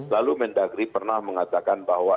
lalu mendagri pernah mengatakan bahwa